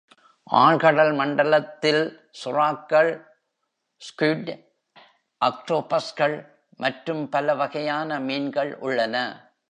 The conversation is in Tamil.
ஆழ்கடல் மண்டலத்தில் சுறாக்கள், ஸ்க்விட், ஆக்டோபஸ்கள் மற்றும் பல வகையான மீன்கள் உள்ளன.